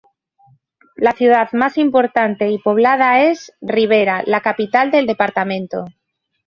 La ciudad más importante y poblada es Rivera, la capital del departamento.